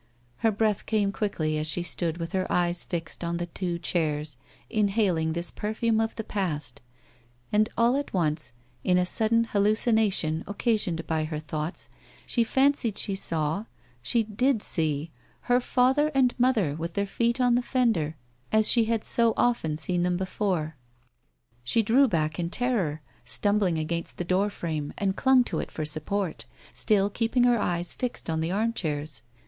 Her breath came quickly as she stood with her eyes fixed on the two chairs, inhaling this perfume of the past ; and, all at once, in a sudden hallucination occasioned by her thoughts, she fancied she saw — she did see — her father and mother with their feet on the fender as she had so often seen them before. She drew back in terror, stumbled against the door frame, and clung to it for support, still keeping her eyes fixed on the armchairs.